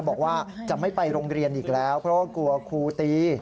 บอกว่าจะไม่ไปโรงเรียนอีกแล้วเพราะว่ากลัวครูตี